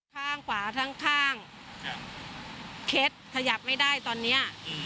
ข้างขวาทั้งข้างครับเคล็ดขยับไม่ได้ตอนเนี้ยอืม